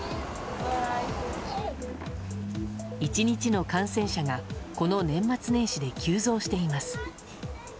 １日の感染者がこの年末年始で急増しています。